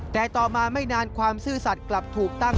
แต่ต่อมาไม่นานความซื่อสัตว์กลับถูกตั้ง